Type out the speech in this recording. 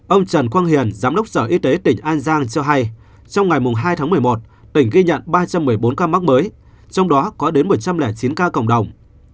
ông trần quang hiền giám đốc sở y tế tỉnh an giang cho hay trong ngày hai tháng một mươi một tỉnh ghi nhận ba trăm một mươi bốn ca mắc mới trong đó có đến một trăm linh chín ca cộng đồng